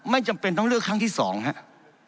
จำเป็นต้องเลือกครั้งที่๒ครับ